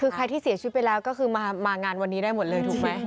คือใครที่เสียชีวิตไปแล้วก็คือมางานวันนี้ได้หมดเลยถูกไหม